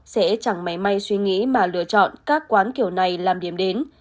sẽ chẳng mấy may suy nghĩ mà lựa chọn các quán kiểu này làm điểm đến